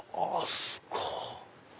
すごい！